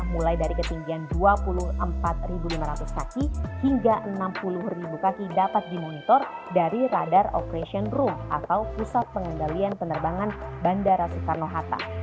mulai dari ketinggian dua puluh empat lima ratus kaki hingga enam puluh kaki dapat dimonitor dari radar operation room atau pusat pengendalian penerbangan bandara soekarno hatta